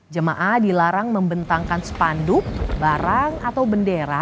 jemaah dilarang membentangkan sepanduk barang atau bendera